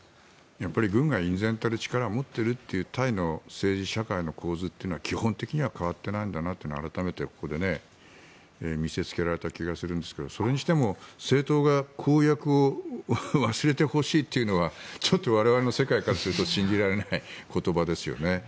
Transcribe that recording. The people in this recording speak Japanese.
やっぱり軍が隠然たる力を持っているというタイの政治社会の構図というのは基本的には変わってないんだなと改めて、ここで見せつけられた気がするんですがそれにしても政党が公約を忘れてほしいというのはちょっと我々の世界からすると信じられない言葉ですよね。